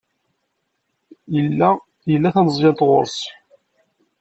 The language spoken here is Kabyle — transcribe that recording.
Yella ila tameẓyant ɣer-s.